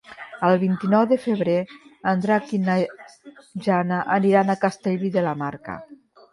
El vint-i-nou de febrer en Drac i na Jana aniran a Castellví de la Marca.